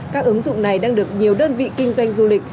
các ứng dụng này đang được nhiều đơn vị kinh doanh du lịch